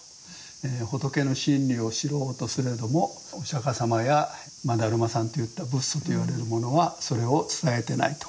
「仏の真理を知ろうとすれどもお釈様や達磨さんといった仏祖といわれるものはそれを伝えてない」と。